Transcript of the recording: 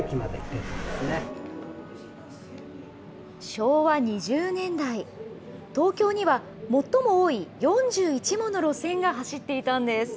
昭和２０年代、東京には最も多い４１もの路線が走っていたんです。